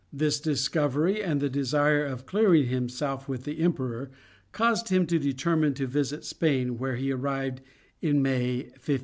This discovery and the desire of clearing himself with the emperor, caused him to determine to visit Spain where he arrived in May, 1528.